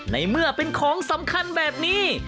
ในเมื่อเป็นของสำคัญแบบนี้